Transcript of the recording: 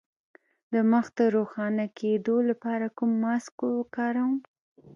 د مخ د روښانه کیدو لپاره کوم ماسک وکاروم؟